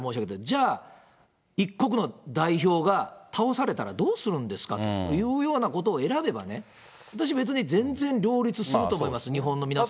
じゃあ、一国の代表が倒されたらどうするですかというようなことを選べばね、私、別に全然両立すると思います、日本の皆さん。